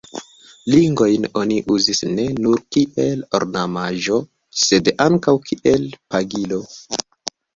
Ringojn oni uzis ne nur kiel ornamaĵo, sed ankaŭ kiel pagilo.